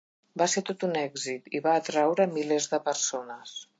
Va ser tot un èxit i va atraure milers de persones.